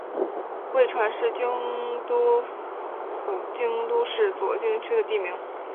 贵船是京都府京都市左京区的地名。